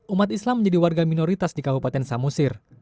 umat islam menjadi warga minoritas di kabupaten samosir